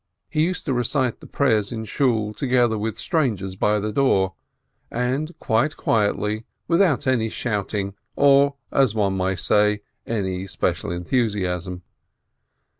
He used to recite the prayers in Shool together with the strangers by the door, and quite quietly, without any shouting or, one may say, any special enthusiasm.